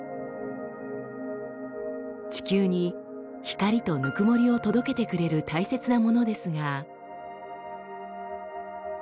地球に光とぬくもりを届けてくれる大切なものですが。